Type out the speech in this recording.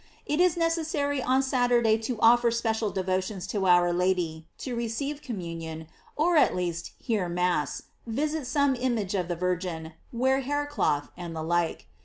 It is necessary on Saturday to offer special devo tions to our Lady, to receive communion, or, at least, hear mass, visit some image of the Virgin, wear hair cloth, and the like.